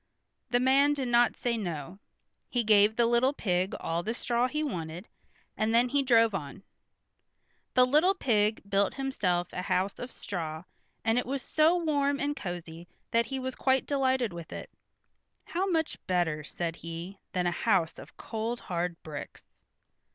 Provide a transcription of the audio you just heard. The man did not say no. He gave the little pig all the straw he wanted, and then he drove on. The little pig built himself a house of straw, and it was so warm and cosy that he was quite delighted with it. "How much better," said he "than a house of cold hard bricks."